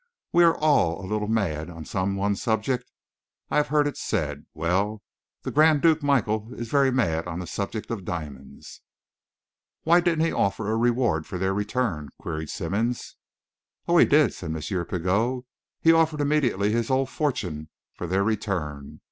We are all a little mad on some one subject, I have heard it said; well, the Grand Duke Michael is very mad on the subject of diamonds." "Why didn't he offer a reward for their return?" queried Simmonds. "Oh, he did," said M. Pigot. "He offered immediately his whole fortune for their return.